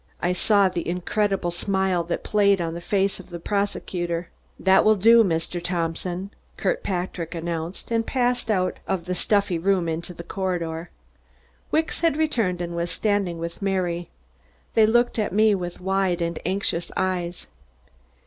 I saw the incredible smile that played on the face of the prosecutor. "That will do, Mr. Thompson," Kirkpatrick announced, and I passed out of the stuffy room into the corridor. Wicks had returned and was standing with Mary. They looked at me with wide and anxious eyes.